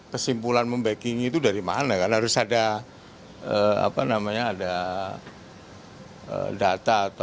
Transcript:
kesimpulan membagging itu dari mana karena harus ada data atau korelasi